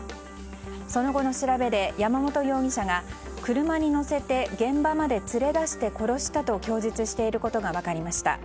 その後の調べで山本容疑者が車に乗せて現場まで連れ出して殺したと供述していることが分かりました。